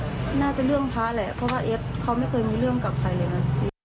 น่าจะเรื่องพระแหละเพราะว่าเอฟเขาไม่เคยมีเรื่องกับใครเลยนะ